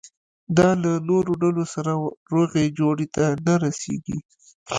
دا له نورو ډلو سره روغې جوړې ته نه رسېږي.